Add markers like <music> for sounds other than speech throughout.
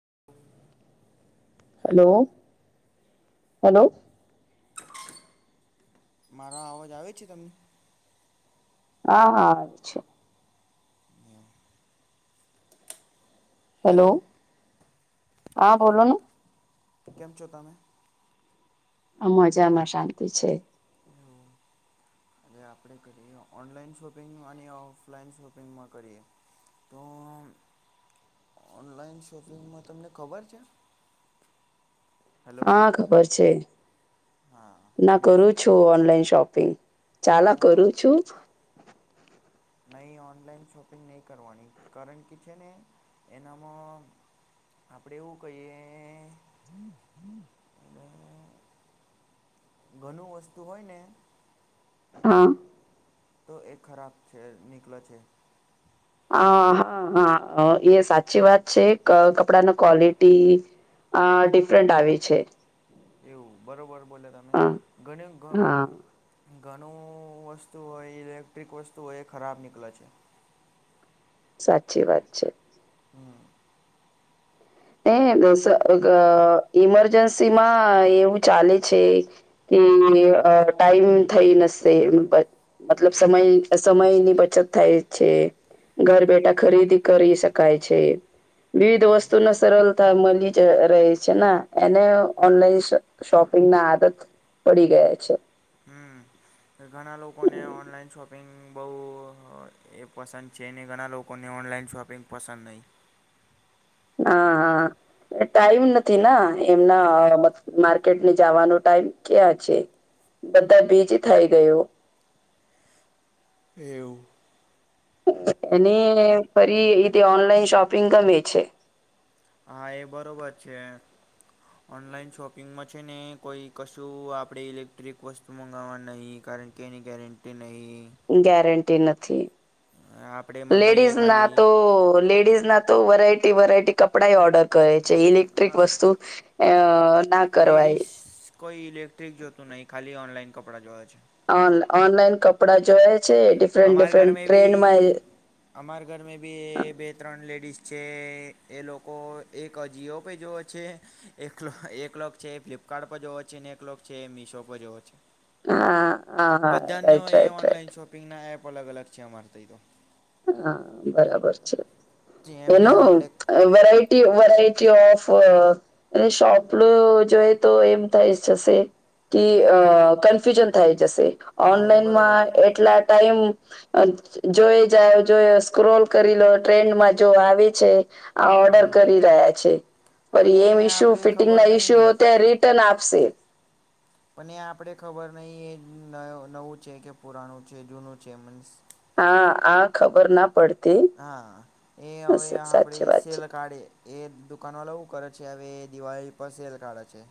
<inaudible> Hello hello hello. મારા અવાજ આવે છે તમને? હા હા આવે છે. હેલો. હા બોલો ને. કેમ છો તમે? આ મજામાં શાંતિ છે. <inaudible> અને આપણે કરીએ ઓનલાઈન શોપિંગ અને ઓફલાઈન શોપિંગમાં કરીએ. તો ઓનલાઈન શોપિંગમાં તમને ખબર છે? હેલો હા ખબર છે. હા ના અને કરું છું, ઓનલાઈન શોપ પિંગ ચાલા કરું છું. નહીં ઓનલાઈન શોપિંગ નહીં કરવાની કારણ કે છે ને એનામાં આપડે એવું કહીએ અને ઘણું વસ્તુ હોય ને હા. તો એ ખરાબ છે. નીકલે છે. હ હા હા અહ એ સાચી વાત છે, ક-કપડા ના ક્વોલિટી અહ ડિફરન્ટ આવે છે. એવું બરોબર બોલ્યા તમે હા ઘણું ઘ હા ઘણું વસ્તુ હોય ઇલેક્ટ્રિક વસ્તુ હોય એ ખરાબ નીકલે છે. સાચી વાત છે. હમ્મ. કઈ અ ગોસા ગ ઈમરજન્સી માં એવું ચાલે છે કે કે અહ ટાઈમ થઈ નસે અ પ મતલબ સમય સમયની બચત થાય છે. ઘર બેઠા ખરીદી કરી શકાય છે. વિવિધ વસ્ત તું નું સરલતા મલી જ રહી છે ના એને ઓનલાઈન શ-શોપિંગ ના આદત પડી ગયા છે. હમ્મ. ઘણા લોકોને ઓનલાઈન શોપિંગ બહુ એ પસંદ છે અને ઘણા લોકોને ઓન ઓનલાઇન શોપિંગ પસંદ નહી. હા-હા. ટાઈમ નથી ના એમના માર્કેટ ને જવાનો ટાઈમ ક્યાં છે. બધા બીજ થઈ ગયો. એવું. એને ફરી એતે ઓનલાઈન શોપિંગ ગમે છે. હા એ બરોબર છે. ઓનલાઈન શોપિંગમાં છે ને કોઈ કશું આપડે ઇલેક્ટ્રિક વસ્તુ મગાવવા નહી. હલકીની ગેરંટીને ગેરંટી નથી. આપણે મંગાઈએ લેડીઝ ના ખાલી તો લેડીઝ ના તો વરાય તે વરાયટી કપડા ઓર્ડર કરે છે ઇલેક્ટ્રિક વસ્તુ અ ના કરવાય લેડીસ કોઈ ઇલેક્ટ્રિક જોતું નહી ખાલી ઓનલાઈન કપડાં જોવે છે. ઓ ઓનલાઈન કપડાં જોય છે ડિફરન્ટ ડિફરન્ટ ટ્રેન્ડમાં એ અમાર ઘર મે બી બે ત્રણ લેડીઝ છે એ લોકો એક જિઓ પે જોઓ છે એક એકલોક છે ફ્લિપ ફ્લિપકાર્ટ પર જોવો છે ને એક છે એ મીશો પર જોવો છે. હા-હા-હા બધાનો રાઈટ એ રાઈટ. ઓનલાઈન શોપિંગના એપ અલગ અલગ છે અમાર તી તો હા બરાબર છે. તો એમને એનો આપણે વેરાઈટી વેરાઈટી ઓફ અને સોપલો જોઈએ તો એમ થઈ જશે. કે અ કન્ફ્યુઝન થાય. જશે હા એ બરાબર ઓનલાઈનમાં બોલ એટલા ટાઈમ જોઈ જો સ્ક્રોલ કરી લો ટ્રેન્ડમાં જો આવે છે આ ઓર્ડર કરી રહ્યા છે પર પણ એમ એ ઈશ્યુ આપણે ફિટિંગ ખબર ના નહીં ને ઇશ્યુ ત્યારે રિટર્ન આપ આક્ષિત પણ એ આપડે ખબર નહિ એ નવું છે કે પુરાણું છે જૂનું છે મીન્સ. હા આ ખબર ના પડતી. હા એ હવે સ- આપડે સાચી વાત છે. સેલ કાઢે એ દુકાન વાળા એવું કરે છે હવે દિવાળી પર સેલ કાઢે છે.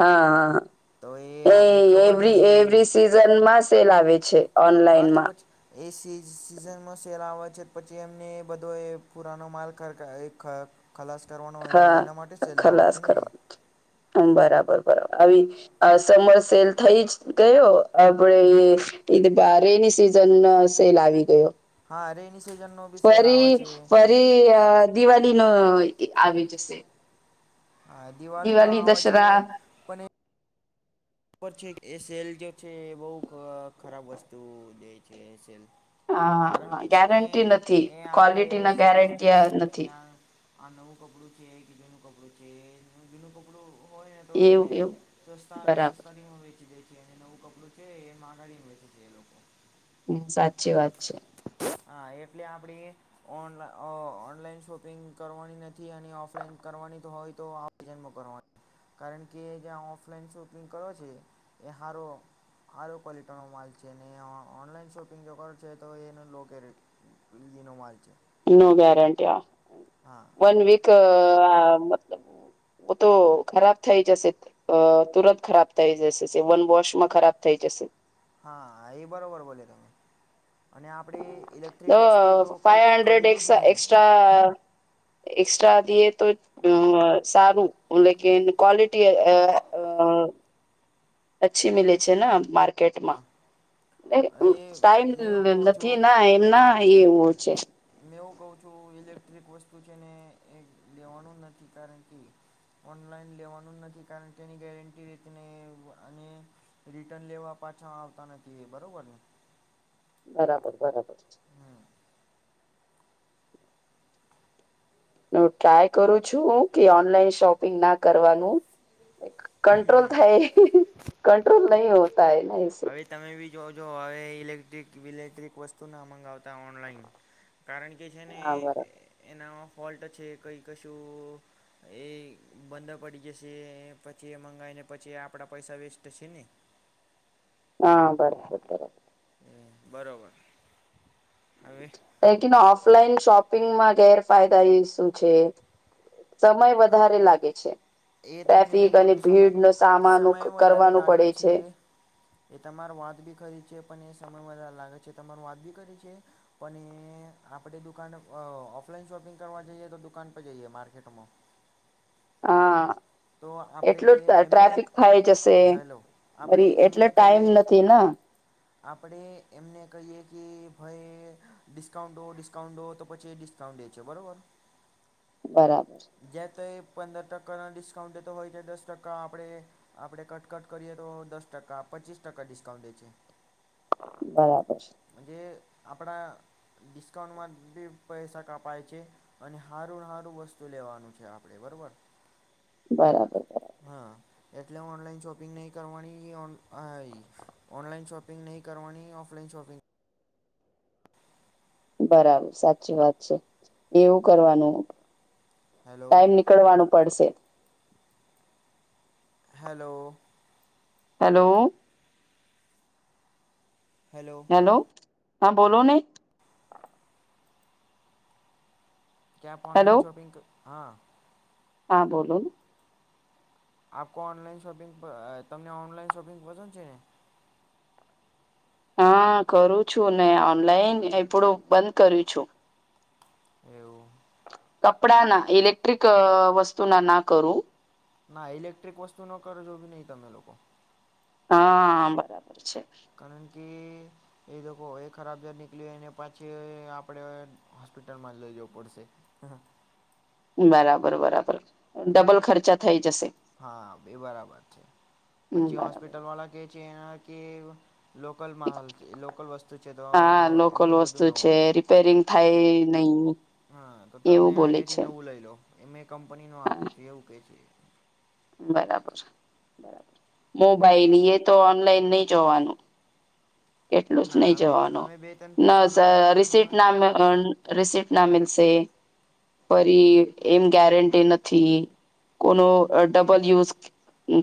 હા-હા તો એ આપણે ખબર નહીં એવરી-એવરી સિઝનમાં સેલ આવે છે. હા તો ઓનલાઈનમાં પછી એ સી સિઝનમાં સેલ આવે છે પછી એમને એ બધો એ પુરાનો માલ કા <unintelligible> ખલાસ કરવાનો હોય હા એના માટે સેલ લાવે ખલાસ છે ને કરવાની હમ્મ બરાબર. આવી સમર સેલ થઈ જ ગયો આપડે એ એઈ રેની સિઝન સેલ આવી ગયો. હા રેની સિઝનનો બી સેલ આવે ફરી છે ફરી દિવાળી ન આવી જશે. હા દિવાળી નો આવા છેે પણ એ ર છે એ સલ જે છે એ બહુ ખરાબ વસ્તુ દે છે એ સેલ. કારણ હા કે છે ને ગેરંટી નથી એ આપણે ક્વલિટી ના ગેરંટી સમજતું નહીં કે નથી. આ આ નવું કપડું છે કે જૂનું કપડું છે જૂનું કપડું હોય ને તો એ એવું એવું સસ્તા બરાબર. સસ્તારીમાં વેચી દે છે અને નવું કપડું છે એ માંગાડીને વેચે છે એ લોકો. હમ સાચી વાત છે. હા એટલે આપણે ઓન ઓનલાઈન શોપિંગ કરવાની નથી અને ઓફલાઈન કરવાની તો હોય તો આ <unintelligible> કરવા કારણ કે જ્યાં ઓફલાઈન શોપિંગ કર્યો છે એ હારો હારો ક્વોલિટીનો માલ છે ને ઓનલાઈન શોપિંગ જો કરો છે તો એનું લો કેરેટ લિનો માલ છે. નો ગારંટી હા વન વીક અ મતલબ. તો ખરાબ થઈ જશે અ તુરંત ખરાબ થઈ જશે જે વન વોશમાં ખરાબ થઈ જશે. હા એ બરોબર બોલ્યા તમે. અને આપણે ઇલેક્ટ્રિક અ વસ્તુ તો કંઈ ફાઈવ હન્ડ્રેડ એક ખરીદું જ નહીં એક્સ્ટ્રા એક્સ્ટ્રા દીએ તો સારું લેકીન અ ક્વોલિટી અ અચ્છી મીલે છે ને માર કેટમા એ એમ ટાઈમ મેં એવું કહું છું નથી ના એમના એવું છે. મેં એવું કઉ છું ઇલેક્ટ્રિક વસ્તુ છે ને એ લેવાનું નથી કારણ કે ઓનલાઈન લેવાનું નથી કારણ કે એની ગેરંટી અને રિટર્ન લેવા પા પાછા આવતા નથી બરોબર ને? બરાબર બરાબર છે. હું ટ્રાય કરું છું હું કે ઓનલાઈન શોપિંગ ના કરવાનું. કંટ્રોલ હમ થાય કંટ્રોલ નહીં હમ હોતા હે ના ઈસીલીએ હવે તમે બી જોજો હવે ઇલેક્ટ્રિક વિલેક્ટ્રિક વસ્તુ ના મંગાવતા ઓનલાઈન. કારણ કે છે ને હા બરાબર એનો ફોલ્ટ છે કંઈ કશું એ બંધ પડી જશે. પછી એ મંગાવીને પછી આપડા પૈસા વેસ્ટ શે ને. હા બરાબર બરાબર. બરાબર. લેકીન ઓફલાઈન શોપિંગમાં ગેરફાયદા એ શું છે? સમય વધારે લાગે છે. એ તમને ટ્રાફિક મેં અને બોલું સમય ભીડનો સામાનો સમય વધારે કરવાનું લાગે પડે છે. એ તમારો વાત બી ખરી છે પણ સમય વધાર લાગે છે તમારી વાત બી ખરી છે પણ એ આપણી દુકાને એ અ ઓફ લાઈન શોપિંગ કરવા જઈએ તો દુકાન પર જઈએ માર્કેટમાં. હ. તો આપણે એટલું તે એમને ટ્રાફિક થાય જશે હેલો રી એટલે ટાઈમ નથી ન. હ આપણે એમને કહીએ કે ભાઈ ડિસ્કાઉન્ટ દો ડિસ્કાઉન્ટ દો તો પછી ડિસ્કાઉન્ટ <unintelligible> છે બરોબર. બરાબર. જયાં તો એ પંદર ટકાના ડિસ્કાઉન્ટે તો હોય છે દસ ટકા આપડે આપડે કટકટ કરીએ તો દસ ટકા પચીસ ટકા ડિસ્કાઉન્ટ દે છે. બરાબર છે. કે આપડા ડિસ્કાઉન્ટમાં બી પૈસા કપાય છે અને હારુંન હારું વસ્તુ લેવાનું છે આપડે. બરોબર. બરાબર. હા એટલે ઓનલાઈન શોપિંગ નહીં કરવાની અ ઓનલાઈન શોપિંગ ન નહીં કરવાની ઓફલાઇન શોપિંગ બરાબર સાચી વાત છે એવું કરવાનું. હેલો ટાઈમ નીકળવાનું પડશે. હેલો. હેલો. હેલો, હા બોલોને. ક્યા આપ હેલો ઓનલાઇન શોપિંગ ક હા. હા બોલો આપકો ઓનલાઈન શોપિંગ અહ તમને ઓનલાઈન શોપિંગ પસંદ છે. હા કરું છું ને ઓનલાઈન એપડું બંધ કર્યુ છું એવું કપડા ના ઇલેક્ટ્રિક અહ વસ્તુના ના કરું ના ઇલેક્ટ્રિક વસ્તુનો કરજો બી નહી તમે લોકો હા બરાબર છે કારણ કે એ તો કો એ ખરાબ જાર નીકળી અને પછી આપડે હોસ્પિટલમાં લઈ જવો પડશે. હા બરાબર બરાબર ડબલ ખર્ચા થઈ જશે હા બે બરાબર છે હમ પછી બરાબર હોસ્પિટલ વાળા કે છે એના કે લોકલમાં હલ છે લોકલ વસ્તુ છે તો હા લોકલ એમનું વસ્તુ બધું નવું છે રિપેરિંગ થાય નહી હા તો એવું તમે બોલે અહિયાં થી છે નવું લઈ લો એમે કંપની નો હા આપું છ એવું કે છે બરાબર બરાબર મોબાઈલ એ તો ઓનલાઈન નહી જોવાનું કેટલું જ ના નહી અમે જવાનું અમે બે ત્રણ ન piece online sir mobile receipt મંગા ના અહ રિસપ્ટ ના મલશે પરી એમ ગેરંટી નથી કોનો ડબલ યુઝ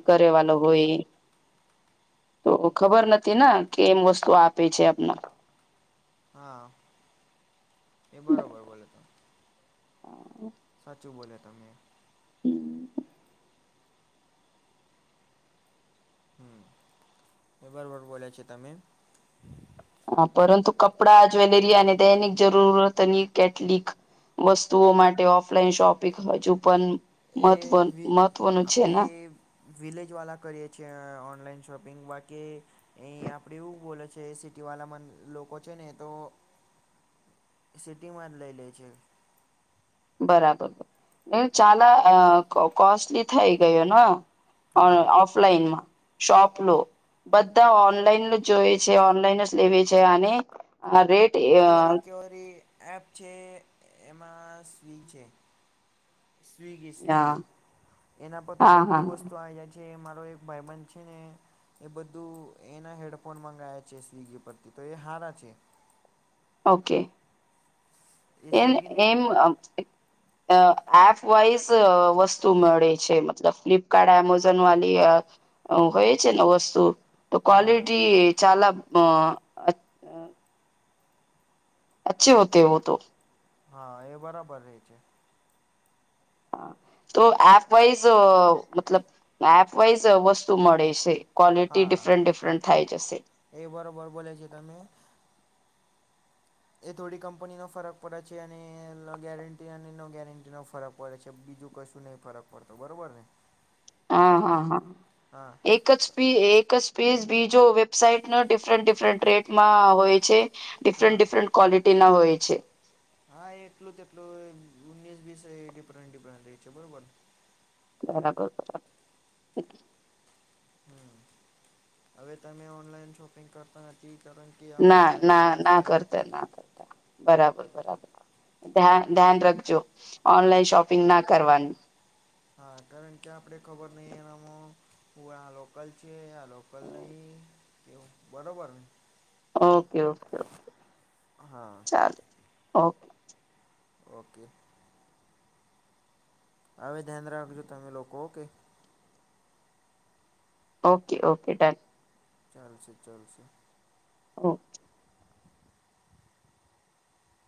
કરેવાનો હોય તો ખબર નથી ના કે એમ વસ્તુ આપે છે આપને હા એ બરોબર બોલો તો હા શું બોલ્યા તમે? હમ્મ બરોબર બોલે છે તમે. હા પરંતુ કપડા જ્વેલરી અને દૈનિક જરૂરતની કેટલીક વસ્તુઓ માટે ઓફલાઈન શોપિંગ હજુ પણ મહત્વ એ મહત્વનું છે ના વિલેજ વાળા કરીએ છીએ ઓનલાઈન શોપિંગ બાકી એ આપડ્યું એવું બોલે છે સીટી દીવાલામાં ન લોકો છે ને તો સિટીમાં જ લઈ લે છે. બરાબર એ ચાલા અહ કો કોસ્ટલી થઈ ગયો ના. અ હા ઓફલાઈનમાં શાપ લો બધા ઓનલાઈન જોઈ છે ઓનલાઈન જ લેવી છે અને રેટ જે રિકવરી એપ છે એમાં સ્વિગી છે સ્વીગી સ્વિગી એના પર તો હા હા બધું વસ્તુ આવી જાય છે જે મારો એક ભાઈ બન્દ છે ને એ બધું એના હેડફોન મંગાવયા છે સ્વિગી પરથી તો એ હારા છે ઓકે એ એમ અ <unintelligible> અહ એપ વાઈઝ વસ્તુ મળે છે મતલબ ફ્લિપકાર્ટ એમેઝોન વાલી અહ હોય છે ને વસ્તુ તો હા ક્વલિટી ચાલાક અહ અહ અચ્છે હોતે વોતો. હા એ બરાબર રે છે. હા. તો એપવાઈઝ મતલબ એપવાઈઝ વસ્તુ મળે છે. ક્વોલિટી હા ડિફરન્ટ ડિફરન્ટ થાય જશે. એ બરોબર બોલે છે તમે એ થોડી કંપની નો ફરક પડે છે અને લો ગેરંટી અને નો ગેરંટી નો ફરક પડે છે. બીજું કશું નહી ફરક પડતો બરોબર ને. હા હા હા હા એક જ થી એક જ પીઝ બીજો વેબસાાઈટન ડિફરન્ટ ડિફરન્ટ રેટમાં હોય છે ડિફરન્ટ હા ડિફરન્ટ ક્વોલિટી નો હોય છે. યુસ બી ડિફરન્ટ ડિફરન્ટ રહે છે બરોબર. બરાબર બરા હવે તમે ઓનલાઈન શોપિંગ કરતા નથી. કારણ કે આવું ના થાય ના છે ના સ્કેમ કરતા ના કરતા બરાબ બર ધ્યાન રખજો ઓનલાઈન શોપિંગ ના કરવાનું. હા કારણ કે આપડે ખબર નઈ એનામાં હું આ લોકલ છે આ લોકલ નહી. કેવું બરોબર ને. ઓકે ઓકે ઓકે હા ચાલો ઓકે. ઓકે. હવે ધ્યાન રાખજો તમે લોકો ઓકે. Okay okay done. ચાલશે ચાલશે. ઓકે.